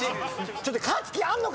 ちょっと。